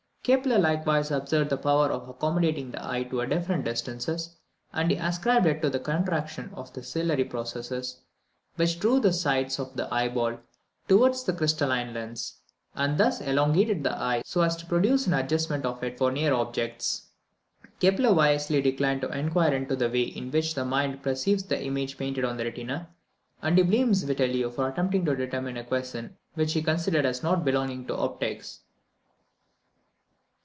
Kepler likewise observed the power of accommodating the eye to different distances, and he ascribed it to the contraction of the ciliary processes, which drew the sides of the eyeball towards the crystalline lens, and thus elongated the eye so as to produce an adjustment of it for near objects. Kepler wisely declined to inquire into the way in which the mind perceives the images painted on the retina, and he blames Vitellio for attempting to determine a question which he considered as not belonging to optics.